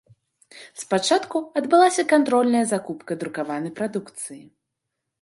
Спачатку адбылася кантрольная закупка друкаванай прадукцыі.